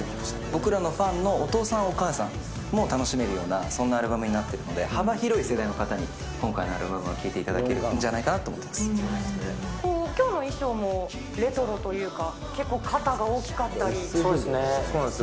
僕らのファンのお父さんお母さんも楽しめるような、そんなアルバムになっているので、幅広い世代の方に今回のアルバムは聴いていただけるんじゃないかきょうの衣装もレトロというそうなんです。